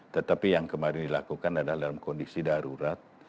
tetapi yang kemarin dilakukan adalah dalam kondisi darurat